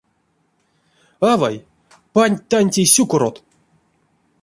Авай, панть тантей сюкорот.